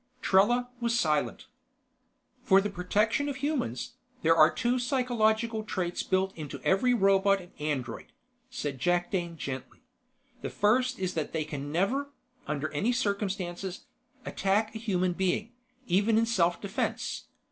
Trella was silent. "For the protection of humans, there are two psychological traits built into every robot and android," said Jakdane gently. "The first is that they can never, under any circumstances, attack a human being, even in self defense.